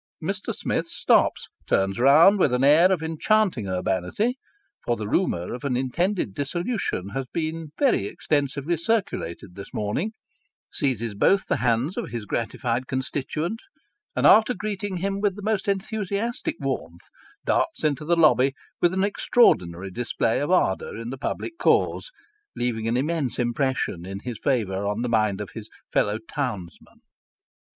Mr. Smith stops : turns round with an air of enchanting urbanity (for the rumour of an intended dissolution has been very extensively circulated this morning) ; seizes both the hands of his gratified constituent, and, after greeting him with the most enthusiastic warmth, darts into the lobby with an extraordinary display of ardour in the public cause, leaving an immense impression in his favour on the mind of his fellow townsman.